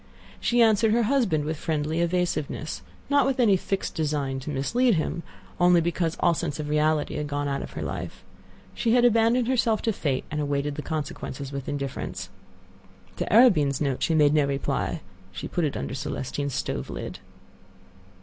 She answered her husband with friendly evasiveness,—not with any fixed design to mislead him, only because all sense of reality had gone out of her life; she had abandoned herself to Fate, and awaited the consequences with indifference. To Arobin's note she made no reply. She put it under Celestine's stove lid.